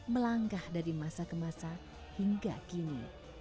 melangkah dari masa ke masa hingga kini